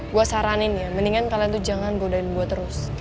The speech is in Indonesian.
gue saranin ya mendingan kalian tuh jangan bodain gue terus terusan ya